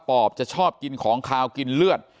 อบจะชอบกินของขาวกินเลือด